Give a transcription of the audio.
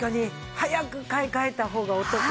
早く買い替えた方がお得。